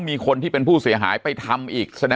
จนถึงปัจจุบันมีการมารายงานตัว